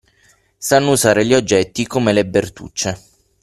Sanno usare gli oggetti come le Bertuccie.